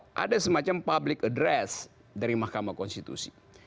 dari awal ada semacam public address dari mahkamah konstitusi